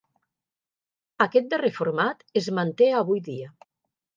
Aquest darrer format es manté avui dia.